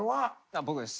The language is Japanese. あ僕です。